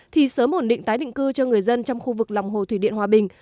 thì sớm ổn định tái định cư cho người dân trong khu vực lòng hồ thủy điện hòa bình